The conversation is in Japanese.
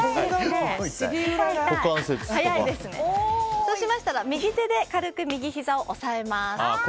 そうしましたら右手で軽く右ひざを抑えます。